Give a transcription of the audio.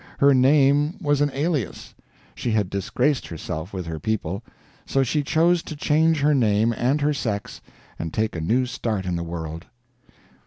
Her name was an alias. She had disgraced herself with her people; so she chose to change her name and her sex and take a new start in the world.